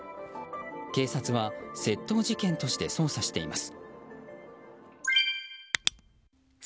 警察は窃盗事件として捜査しています。